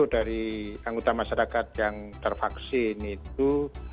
dari anggota masyarakat yang tervaksin itu